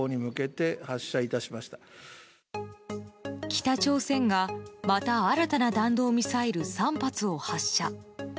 北朝鮮が、また新たな弾道ミサイル３発を発射。